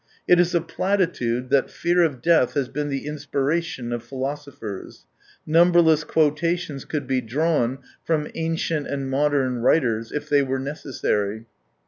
It is a platitude, that fear of death has been the inspiration of philo sophers. Numberless quotations could be drawn from ancient and modern writers, if they were necessary.